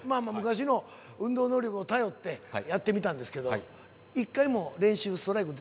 昔の運動能力を頼ってやってみたんですけど。